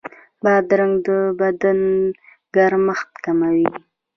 بادرنګ د بدن ګرمښت کموي.